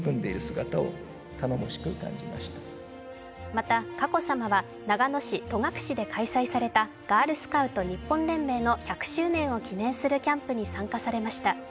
また佳子さまは長野市戸隠で開催されたガールスカウト日本連盟に１００周年を記念するキャンプに参加されました。